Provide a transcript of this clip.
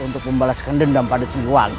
untuk membalaskan dendam pada siliwangi